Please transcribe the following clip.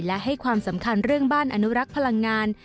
และให้ความสำคัญเรื่องบ้านอนุรักษ์พลังงาน